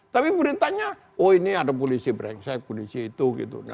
tapi beritanya oh ini ada polisi berengsek polisi itu